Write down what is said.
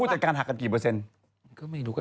จัดการหักกันกี่เปอร์เซ็นต์